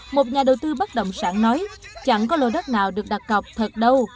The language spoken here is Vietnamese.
một nhà đầu tư bất động sản nói chẳng có lô đất nào được đặt cọc thật đâu